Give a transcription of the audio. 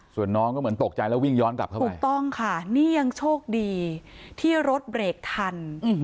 ส่วนน้องก็เหมือนตกใจแล้ววิ่งย้อนกลับเข้ามาถูกต้องค่ะนี่ยังโชคดีที่รถเบรกทัน